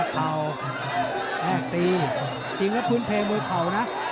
จริงแล้วพื้นเพย์มวยเข่านะ